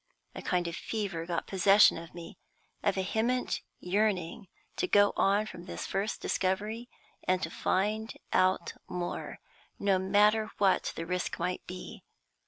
A kind of fever got possession of me a vehement yearning to go on from this first discovery and find out more, no matter what the risk might be.